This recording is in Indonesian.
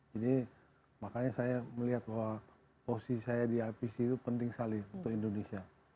jadi makanya saya melihat bahwa posisi saya di ipc itu penting saling untuk indonesia